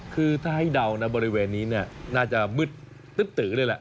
คือถ้าให้เดานะบริเวณนี้น่าจะมืดตื๊ดตื๊ดเลยแหละ